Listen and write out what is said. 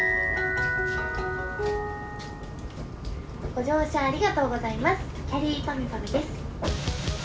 ご乗車ありがとうございます。